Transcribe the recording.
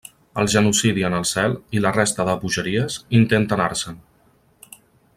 El genocidi en el Cel, i la resta de bogeries, intenta anar-se'n.